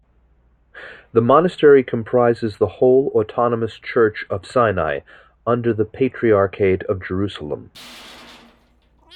The monastery comprises the whole Autonomous Church of Sinai, under the Patriarchate of Jerusalem.